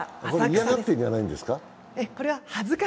嫌がってるんじゃないですか？